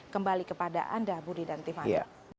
kembali kepada anda budi dan tiffany